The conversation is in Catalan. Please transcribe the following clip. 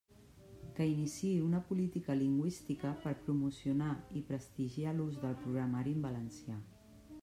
Que iniciï una política lingüística per promocionar i prestigiar l'ús del programari en valencià.